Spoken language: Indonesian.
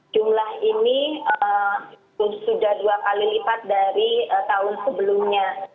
jumlah ini sudah dua kali lipat dari tahun sebelumnya